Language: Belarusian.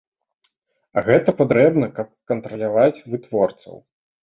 А гэта патрэбна, каб кантраляваць вытворцаў.